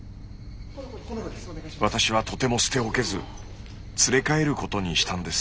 私はとても捨て置けず連れ帰ることにしたんです。